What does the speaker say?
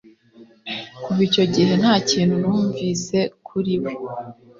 Kuva icyo gihe nta kintu numvise kuri we